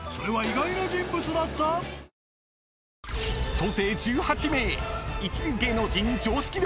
［総勢１８名］